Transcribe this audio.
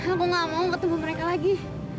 aku gak mau ketemu mereka lagi